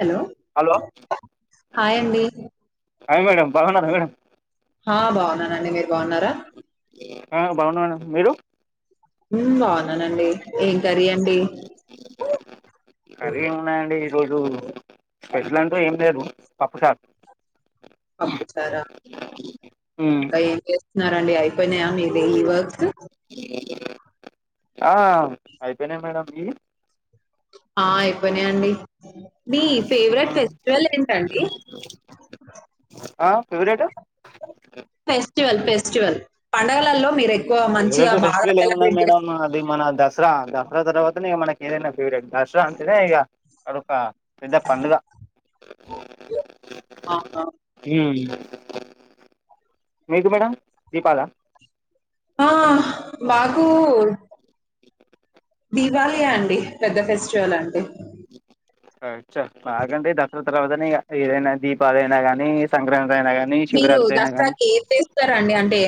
Hello hello hi అండి అ మేడ బాగున్నారు మేడ ఆ బాగున్నానండి మీరు బాగున్నారా ఆ బాగున్నా మేడి మీరు బావుననండి కరయండి కరీ ఉన్నా అండి ఈరోజు స్పెషల్ అంటూ ఏం లేదు పపసాద్ అప్పుచారా ఉమ్. ఇంకా ఏం చేస్తున్నారండి అయి ఇప్పన్యామ ఇద ఈ వత్ ఆ అయిపోయినా మేడం ఈ ఆ ఐపోయినయండి అండి మీ ఫేవరెట్ ఫెస్టివల్ ఏంటండి ఆ ఫేవరెట్ ఫెస్టివల్ ఫెస్టివల్ పండగలలో మీరె ఫేవరెట్ ఫెస్టివల్ ఏముండదు మేడం అది మన దసరా దసరా తర్వాతనే మనకి ఏదైనా ఫేవరెట్ దసరా అంటేనే ఇగ అదొక పెద్ద పండుగ అవునా మీకు మేడం దీపాళ ఆ మాకు దివాళియే అండి పెద్ద ఫెస్టివల్ అంటే [inaudible] అచ్చ మాకంటే దసరా తర్వాతనే ఇగ ఏదైనా దీపాలైన కానీ సంక్రాంతి అయినా కానీ మీరు శివరాత్రి అయినా కానీ దసరాకి ఏం చేస్తారండి అంటే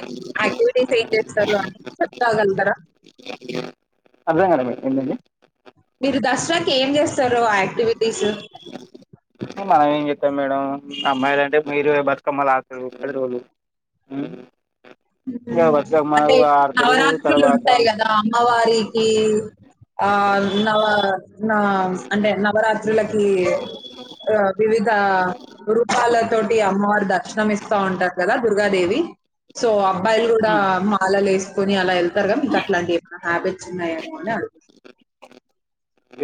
యాక్టివిటీస్ ఏం చేస్తారు అని చె రాగలుగుతారా అర్థం కాలే మేడం ఎటండి మీరు దసరాకి ఏం చేస్తారు యాక్టివిటీస్ మనం ఏం చెత్తాం మేడం అమ్మాయిలు అంటే మీరు బతుకమ్మ లాడతరు పది రోలు మ్ అంటే నవరాత్రులు తర్వాత ఉంటాయి కదా అమ్మవారికి ఆ నవ నా అంటే నవరాత్రులకి ఆ వివిద్ రూపాల తోటి అమ్మవారు దర్శనం ఇస్తా ఉంటారు కదా దుర్గాదేవి సో అబ్బాయిలు కూడా మాల లేస్ కొని అలా ఎళ్తారు గ మీకు అట్లాంటివి ఏమైనా హ్యాబిట్స్ ఉన్నాయ ఏమోలిని అడుగుతున్న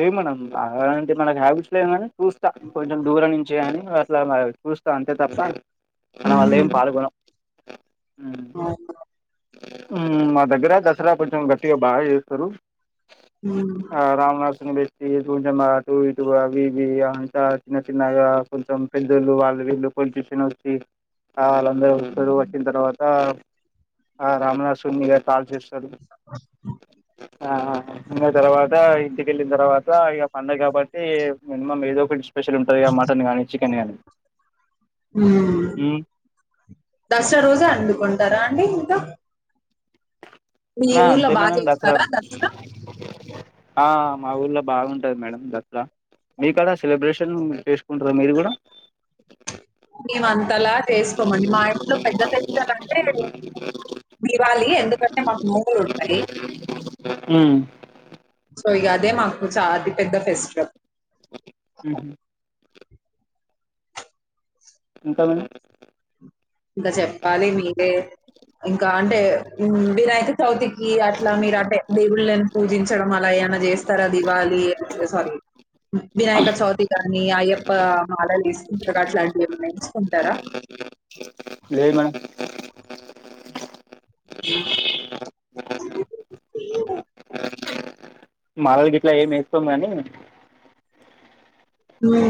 ఏ మనం అలాంటి మనకి హ్యాబిట్స్ లేవు కాని చూస్తా కొంచెం దూరం నుంచి గాని అట్లా మ చూస్తా అంతే తప్ప మనం అల్లె ఏం పాల్గొనం అవును. మ్ మా దగ్గర దసరా కొంచెం గట్టిగా బాగా చేస్తారు ఉమ్. ఆ రావణాస్ సున్ని బెట్టి కొంచెం అటు ఇటు అవి ఇవి అంతా చిన్న చిన్నగా కొంచెం పెద్దోళ్ళు వాళ్ళు రెండో పన్ చేసినోర్కి కావాల అందరు వస్తారు వచ్చిన తర్వాత ఆ రావణాసురున్ని ఇగ కాల్చేస్తారు ఆ ఇంక తర్వాత ఇంటికి ఎళ్ళిన తర్వాత ఇగ పండగ కాబట్టి మినిమం ఏదో ఒకటి స్పెషల్ ఉంటది మటన్ గానీ చికెన్ గానీ మ్ మ్మ్ దసరా రోజే వండుకుంటారా అండి ఇంకా మీ ఆ ఊర్లో అంతే బా మేడం దసరా చేస్తారా ఆ మా ఊర్లో బావుంటది మేడం దసర మీకా డ సెలబ్రేషను చేస్ కుంటార మీరు కూడా మేము అంతలా చేసుకోమండి మా ఇంట్లో పెద్ద పండగంటే దీవాళి ఎందుకంటే మాకు నోములుంటాయి మ్మ్ సో ఇగ అదే మాకు చ అతిపెద్ద ఫెస్టివల్ ఇంకా మేడం ఇంక చెప్పాలి మీరే ఇంకా అంటే వీ వినాయక చవితికి అట్లా మీరు అంటే దేవుళ్ళని పూజించడం అలా అలా ఏమన్న చేస్తారా దివాళి అమ్మ చిన్న సారీ వినాయకచతిగాని నీ అయ్యప్ప మాలలు వేసుకుంటరా అట్లాంటివి ఏమన్న వేసుకుంటారా లేదు మేడం [inaudible] మాలలు గిట్ల ఏం వేసుకోం గాని నువ్వే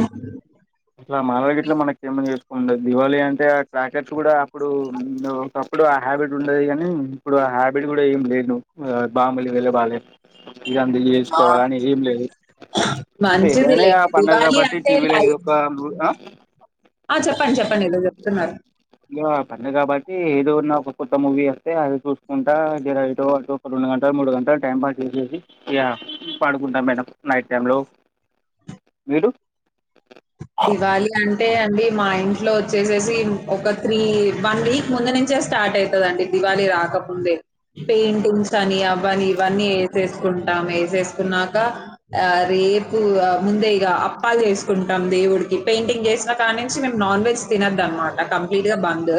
అట్లా మాల గిట్ల మనకెందుకు చె ప్పండి దివాళి అంటే ఆ క్రాకర్స్ కూడా అప్పుడు ఒకప్పుడు ఆ హ్యాబిట్ ఉండేది గానీ ఇప్పుడు ఆ హ్యాబిట్ కూడా ఏం లేదు బాంబులు పేలవలె ఇగ అంత ఆ! చేసుకోవాలని ఏం లేదు గాని మంచిదిలే. పండగ దివాళి కాబట్టి అంటే టీవీ లో లైట్ ఏవో బాంబు అ ఆ చెప్పండి చెప్పండి ఏదో చెప్తున్నారు ఇగ పండగ కాబట్టి ఏదో ఉన్నా ఒక కొత్త మూవీ వస్తే అది చూసుకుంటా దీరైటో అటో ఒక రెండు గంటలు మూడు గంటలు టైం పాస్ చేసేసి ఇగ పడుకుంటాం మేడం నైట్ టై లో మీరు దివాళి అంటే అండి మా ఇంట్లో వచ్చేసేసి ఒక త్రీ వన్ వీక్ ముందు నుంచే స్టార్ట్ స్టార్ట్ అవుతుందండి దివాళి రాకముందే పెయింటింగ్స్ అని అవని ఇవన్నీ వేసేసుకుంటాం వేసుకున్నాక రేపు ముందే ఇగ అప్పా చేసుకు కుంటాం దేవుడికి పెయింటింగ్ చేసిన కా నుంచి మేము నాన్ వెజ్ తినొద్దు అనమాట కంప్లీట్ గా బంద్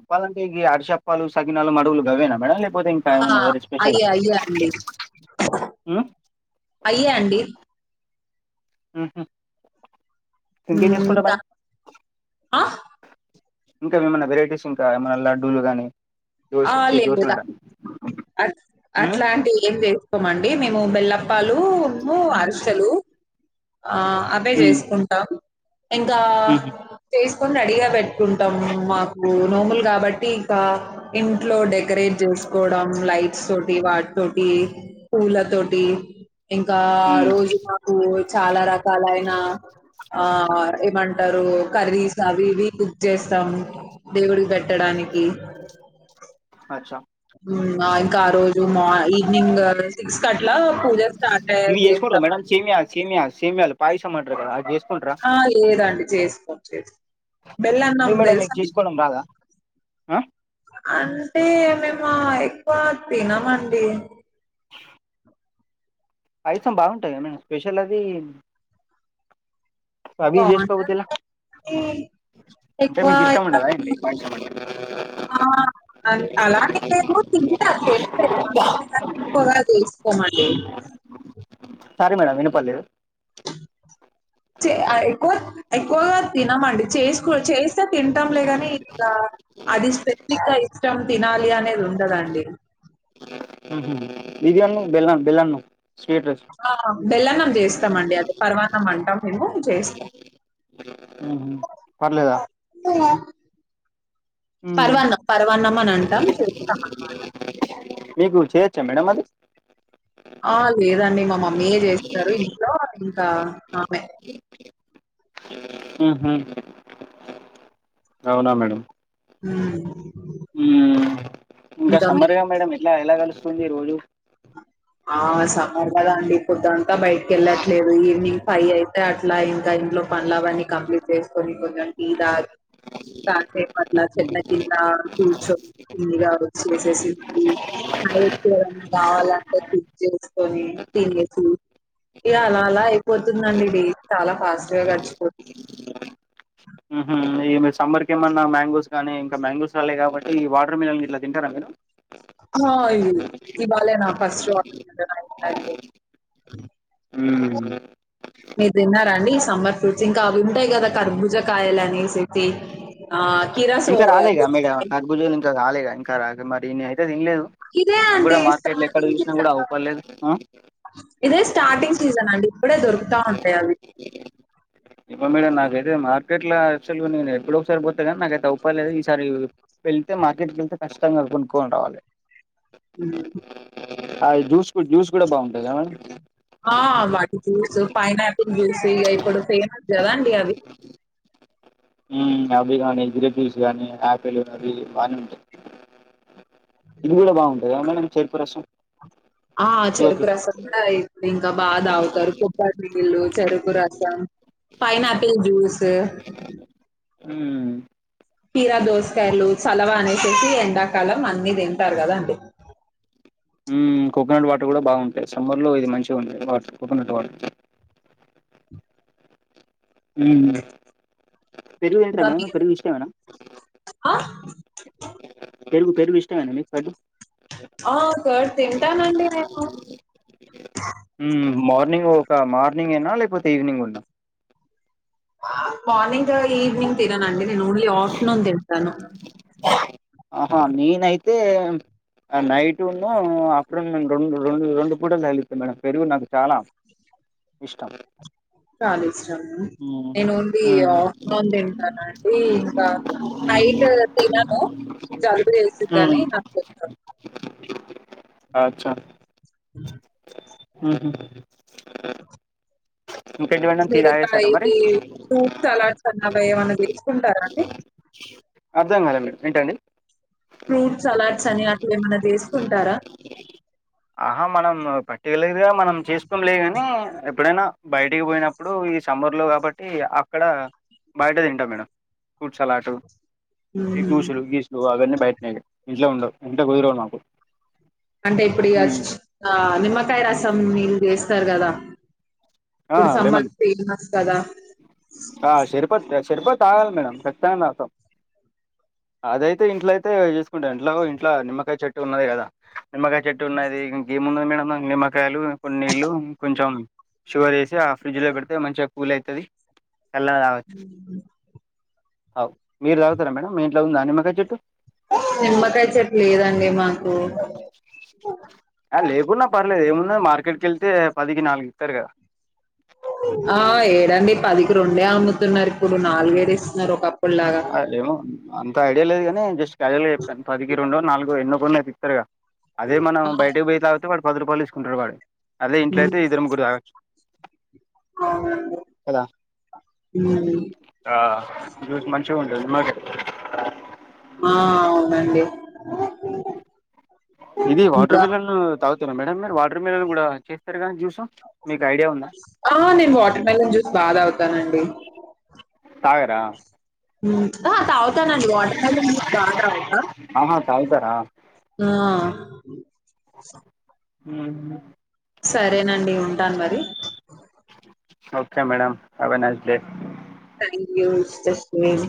అప్పాల అంటే ఏంటి అడశప్పాలు సగినాలు మడగులు గవేనా మేడం పోతేంకాయ ఆ! ఉన్నా వెరీ స్పెషల్ అయ్యే. అయ్యే అండి. ఉమ్ అయ్యే అండి ఆహా ఉమ్ ఇంకా ఆ ఇంకా ఏమన్నా వెరైటీస్ ఇంకా ఏమన్నా లడ్డూలు గానీ దోశ చ్చి దోశ అంటా అ అట్లా అంటే ఏం లేవ్ కోమండి మేము బెల్లప్పాలు ఉము అరిసెలు ఆ అవే ఉమ్ చేసుకుంటాం ఇంకా ఉహు చెస్ కొని రెడీగా పెట్టుకుంటాం మాకు నోములు కాబట్టి ఇంకా ఇంట్లో డెకరేట్ చే కోవడం లైట్స్ తోటి వాటి తోటి పూల తోటి ఇంకా ఉమ్ రోజు మాకు ట కాలయినా ఆ ఏమంటారు కర్రీస్ అవి ఇవి కుక్ చేస్తాం దేవుడి పెట్టడానికి అచ్చా ఉమ్ ఇంకా ఆ రోజు మా ఈవినింగ్ సిక్స్ అట్లా పూజ స్టార్ట్ అయ్యే ఇవి చేసుకుంటారా చేస్తాం మేడం అండి సేమియా సేమియా సీమియాలు పాయసం అంటారు కదా అది చెస్ ఆ లేదండి చేసుకోమ్ చేసుకోమ్ బెల్లన్నం ఎందుకు మేడం తెలుసా మీకు చేసుకోవడం రాదా ఆ అంటే మేము ఆ ఎక్కువ తినమండి పాయసం బాగుంటాదిగా మేడం స్పెషల్ అది పవి జేస్కోకపోతే బావుంటది ఎలా కానీ అంటే ఎక్కువ మీకు ఇష్టం ఇలా ఉండదా ఏంటి పాయసం అంటే ఆ అ అలాని ఎం లేదు తింటా చేస్తే ఎక్కువగా చేసుకోమండి అ ససారీ మేడం వినపడ్లేదు చె ఎక్కువ ఎక్కువగా తినమండి చేసుకో చేస్తే తింటాం లేదానే ఇంకా అది స్పెసిఫిక్ గా ఇష్టం తినాలి అనేది ఉండదండి బియ్యుము బెల్లం బెల్లానం స్వీట్ రైస్ ఆ! బెల్లన్నం చేస్తామండి అది పర్వాన్నం అంటాం మేము చేస్తాం ఉహు పర్లేదా పర్వన్నం పర్వన్నం అని అంటాం చెస్తాం అన్నమాట మీకు చేయ్యొచ్చా మేడం అది ఆ లేదండి మా మమ్మీయే చేస్తారు ఇంట్లో ఇంకా ఆమె ఉహు అవునా మేడం ఉమ్ ఉమ్ ఇంకా మీ సమ్మర్గా మేడం ఎట్లా ఏలా కలుస్తుంది రోజు ఆ సమ్మర్ కదా అండి పొద్దంతా బయటికి ఇలా ఇంకా ఇంట్లో పనులు అవన్నీ కంప్లీట్ చేసుకొని కొంచం టీ దాగి కాసే పట్ల చెట్ల కింద కూర్చొని కిందిగా వచ్చిసేసి ఉమ్ హయితే ఏవన్నా కావాలంటే కుక్ చేసుకొని తినేసి ఇలా అలా అలా అయిప్ పోతుందండి డైలీ చాలా ఫాస్ట్ గా గర్చిపోతుంది ఉంహు ఈమే సమ్మర్కి ఏమన్నా మ్యాంగోస్ కానీ ఇంకా మ్యాంగోస్ రాలే కాబట్ ఈ వాటర్ మిలన్ల్ ఇట్లా తింటారా మీరు ఆయ్ ఇవాళే నా ఫస్ట్ [inaudible] అండి ఉమ్మ్ మీరు తిన్నారండి సమ్మర్ ఫ్రూట్స్ ఇంకా అవి వింటాయి కదా కర్భుజ కాయలు అనేసేసి ఆ కీరా సో ఇంకా రాలేగా మేగ దొరుకుతాయి. కర్భుజలు ఇంకా రాలేగా ఇంకా మరి అయితే తిన్లేదు ఇదే నాక్ అండి కూడా మార్కెట్ లో ఎక్కడ స్టార్టింగ్ చూసినా కూడా సీజన్ అవ్ పర్లేదు ఇదే స్టార్టింగ్ సీజన్ అండి ఇప్పుడే దొరుకుతా ఉంటాయి అవి ఇప్పుడు మేడం నాకైతే మార్కెట్ లో యాక్చుల్గా నేను ఎప్పుడో ఒకసారి పోతాగానీ నాక ఐతే అవ్ పలేదు ఈసారి ఎళ్తే మార్కెట్ వెళ్తే కచ్చితంగా కొనుక్కొని రావాలి ఉమ్ ఆయ్ జ్యూస్ కూ జ్యూస్ కూడా బాగుంటద ఆ వాటి జ్యూస్ పైనాపిల్ జ్యూస్ ఇక ఇప్పుడు ఫేమస్ కదా అండి అవి ఉమ్ అవి గాని గిర్ర్పీస్ గానీ ఆపిల్ అవి బానే ఉంటాయి ఇది కూడా బాగుంటద మేడం చేరుకు రసం ఆ షుగర్ చెరుకు కి రసం కూడా ఇప్పుడు ఇన్ కా బా దాగుతారు కొబ్బరి నీళ్ళు చెరుకు రసం పైన్ ఆపిల్ జూస్ ఉమ్ కీరా దోసకాయలు చలవా అనేసేసి ఎండాకాలం అన్ని తింటారు కదాండి ఉమ్ కోకోనట్ వాటర్ కూడా బాగుంటాయి సమ్మర్లో ఇది మంచిగా ఉంటాయ్ వాటర్ కోకోనట్ వాటర్ ఉమ్ పెరుగు తింట్రా ఇంకా మేడం మీరు పెరుగు ఇష్టమా మేడం ఆ పెరుగు పెరుగు ఇష్టమేన మీకు కర్డ్ ఆ కర్డ్ తింటానండి నేను ర్నింగ్ ఒక మార్నింగ్ ఏనా లేకపోతే ఈవినింగ్ గూ న్నా మార్నింగ్ ఈవ్నింగ్ తినను అండి నే ఓన్లీ ఆఫ్టర్నూన్ తింటాను తేమ్ నైట్ ఉన్ ఆఫ్టర్నూన్ రెండు రెండు రెండు పూటలు తగిలితాం మేడం పెరుగు నాకు చాలా ఇష్టం చాలా హ్మ్ నేను ఓన్లీ హ్మ్ ఆఫ్టర్న్ తింటాను అండి ఇంకా నైట్ తినను జల్బు చేసిద్దని హ్మ్. నాకు [inaudible] అచ్చా అ ఆహా మీరికా తాగేసారా మరి ఇవి ఫూడ్స్ సలాట్స్ అలాగ ఏమన్నా వేసుకుంటారా అండి అర్థం కాలే మేడ్ ఏంటండి ఫ్రూట్ అలాడ్స్ అని అట్లా ఏమైనా చేసుకుంటారా ఆహా మనం పర్టిగలేదు గా మనం చేసుకొంలే గాని ఎప్పుడైనా బయటికి పోయినప్పుడు ఈ సమ్మర్ లో కాబట్టి అక్కడ బయటే తింటా మేడం ఫూడ్స్ అలాటు ఈ హుహు. జ్యూసులు గీసులు అవన్నీ బయటనే ఇంట్లో ఉండవు ఇంట్లో కుదరవు నాకు అంటే ఇప్పుడు ఇగ నిమ్మకాయ రసం నీళ్ళు చేస్తారు కదా ఆ లెమన్ కదా! ఆ శరిపత్ శరిపత్ తాగాలి మేడం కచ్చితంగా తాగుతాం అదైతే ఇంట్లో అయితే చేసుకుంటామ్ ఇంట్లో ఇంట్లో నిమ్మకాయ చెట్టు ఉన్నది కదా నిమ్మకాయ చెట్టు ఉన్నది. ఇంకేమున్నది మేడం మా నిమ్మకాయలు, కొన్ని నీళ్ళు కొంచెం షుగర్ వేసి ఆ ఫ్రిడ్జ్ లో పెడితే మంచిగా కూల్ అయితది. చల్లగ తాగచ్చు. అ మీరు తాగుతారా మేడం? మీ ఇంట్లో ఉందా నిమ్మకాయ చెట్టు? నిమ్మకాయ చెట్ లేదండి మాకు. లేకున్నా పర్లేదు. ఏమున్నది, మార్కెట్కెళ్తే పదికి నాలుగు ఇత్తారు కదా! ఆ ఏడండి పదికి రొండే అమ్ముతున్నారు. ఇప్పుడు నాలుగేడ ఇస్తున్నారు? ఒక ఏమో అంత ఐడియా లేదు కాని, జస్ట్ క్యాజువల్ గా చెప్పాను. పదికి రెండో నాలుగో ఎన్నో కొన్నీ, తిస్తారుగా! అదే మనం ఆ బయటకి పోయి తాగితే వాడు పది రూపాయలు తీసుకుంటాడు వాడు. అదే ఇంట్లో హ్మ్ ఐతే ఇద్దరు ముగ్గురు తాగొచ్చు. కదా అవునండి. హ్మ్ ఆ జ్యూస్ మంచిగుంటది. నిమ్మకాయది ఆ అవునండి. ఇది వాటర్ ఇంకా మిలన్ తాగుతార మేడం మీరు? వాటర్ మిలన్ కూడా చేస్తారు కానీ జ్యూస్ మీకు ఐడియా ఉందా ఆ నేను వాటర్ మెలన్ జ్యూస్ బా తాగుతానండి. తాగరా? మ్ ఆ తాగుతానండి. వాటర్ మెలన్ జ్యూస్ బా తాగుతా. ఆహా తాగుతారా ఆ మ్హు సరేనండి ఉంటాను మరి. Okay madam have a nice day. Thank you. Wish you the same.